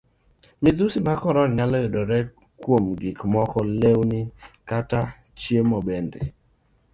Midhusi mag korona nyalo yudore e gik moko lewni, kata chiemo bende.